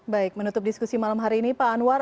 baik menutup diskusi malam hari ini pak anwar